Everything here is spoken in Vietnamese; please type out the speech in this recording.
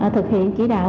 thực hiện chỉ đạo